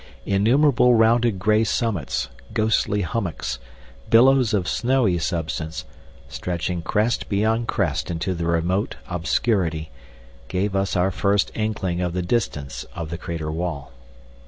Innumerable rounded grey summits, ghostly hummocks, billows of snowy substance, stretching crest beyond crest into the remote obscurity, gave us our first inkling of the distance of the crater wall.